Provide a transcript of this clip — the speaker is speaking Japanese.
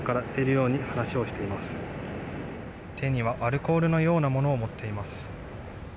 手にはアルコールのようなものを持っています。